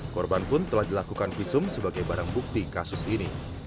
korban pun telah dilakukan visum sebagai barang bukti kasus ini